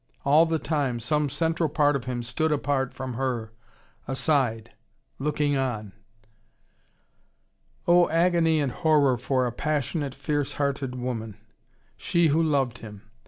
All the time, some central part of him stood apart from her, aside, looking on. Oh, agony and horror for a passionate, fierce hearted woman! She who loved him.